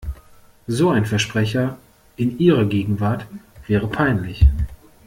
So ein Versprecher in ihrer Gegenwart wäre peinlich.